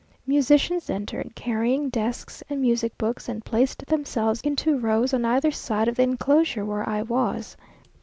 Musicians entered, carrying desks and music books, and placed themselves in two rows, on either side of the enclosure where I was.